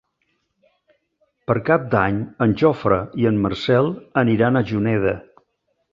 Per Cap d'Any en Jofre i en Marcel aniran a Juneda.